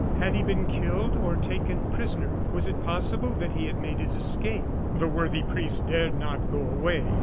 Had he been killed or taken prisoner? Was it possible that he had made his escape? The worthy priest dared not go away.